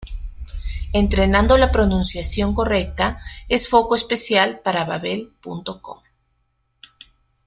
Entrenando la pronunciación correcta es foco especial para Babbel.com.